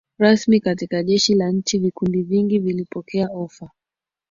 rasmi katika jeshi la nchi Vikundi vingi vilipokea ofa